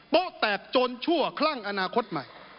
โต๊ะแตกจนชั่วคลั่งอนาคตใหม่